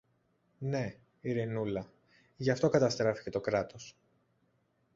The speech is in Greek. Ναι, Ειρηνούλα, γι' αυτό καταστράφηκε το Κράτος.